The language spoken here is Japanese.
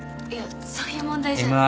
いやそういう問題じゃ。